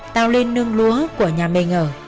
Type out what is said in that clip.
tao lên nương lúa của nhà mình ở